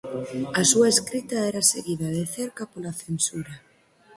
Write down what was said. A súa escrita era seguida de cerca pola Censura.